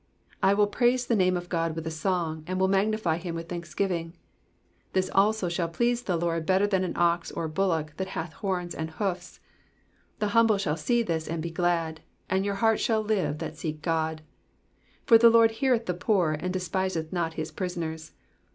30 I will praise the name of God with a song, and will magnify him with thanksgiving. 31 This also shall please the LORD better than an ox or bullock that hath horns and hoofs. 32 The humble shall see this^ and be glad : and your heart shall live that seek God. 33 For the LORD heareth the poor, and despiseth not his prisoners.